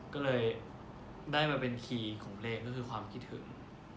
ก็เลยได้มาเป็นทีของเพลงก็คือความคิดถึง